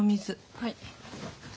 はい。